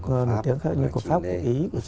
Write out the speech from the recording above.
nổi tiếng khác như của pháp của ý